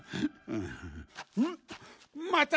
うん？